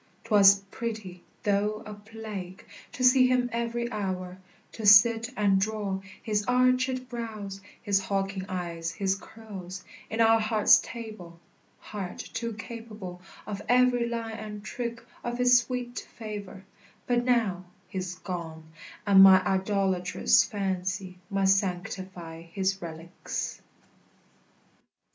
'Twas pretty, though a plague, To see him every hour; to sit and draw His archèd brows, his hawking eye, his curls, In our heart's table, heart too capable Of every line and trick of his sweet favor: But now he's gone, and my idolatrous fancy Must sanctify his relics.